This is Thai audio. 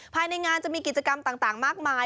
ภายในงานจะมีกิจกรรมต่างมากมาย